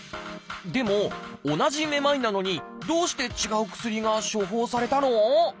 でも同じめまいなのにどうして違う薬が処方されたの？